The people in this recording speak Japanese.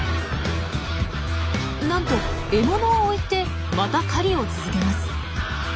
なんと獲物を置いてまた狩りを続けます。